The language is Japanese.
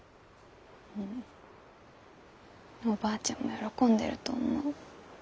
おばあちゃんも喜んでると思う。